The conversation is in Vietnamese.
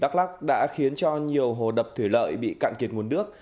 đắk lắc đã khiến cho nhiều hồ đập thủy lợi bị cạn kiệt nguồn nước